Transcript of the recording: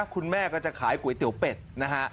คุณแม่ก็จะขายก๋วยเตี๋ยวเป็ดนะฮะ